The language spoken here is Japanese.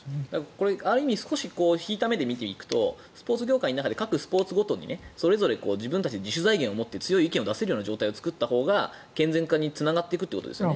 これ、ある意味少し引いた眼で見ていくとスポーツ業界の中で各スポーツごとにそれぞれ自主財源をもって強い意見を出せるような仕組みを作ったほうが健全化につながっていくということですよね。